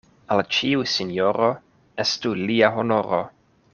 Al ĉiu sinjoro estu lia honoro.